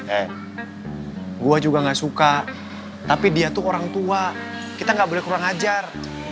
eh gue juga gak suka tapi dia tuh orang tua kita nggak boleh kurang ajar